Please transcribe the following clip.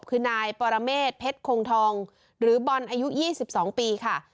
คือนายปรเมษเพชรคงทองหรือบอลอายุ๒๒ปีค่ะ